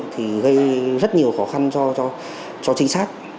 thì gây rất nhiều khó khăn cho chính xác